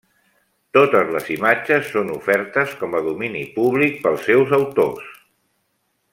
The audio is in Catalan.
Totes les imatges són ofertes com a domini públic pels seus autors.